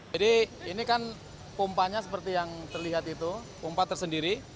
jadi ini kan pompanya seperti yang terlihat itu pompa tersendiri